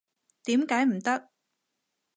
點解唔得？